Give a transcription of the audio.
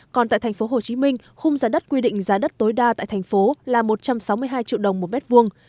còn tại tp hcm khung giá đất quy định giá đất tối đa tại thành phố là một trăm sáu mươi hai triệu đồng một mét vuông